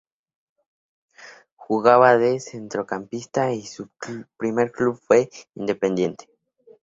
Jugaba de centrocampista y su primer club fue Independiente.